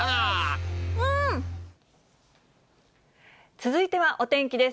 続いては、お天気です。